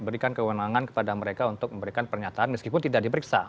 berikan kewenangan kepada mereka untuk memberikan pernyataan meskipun tidak diperiksa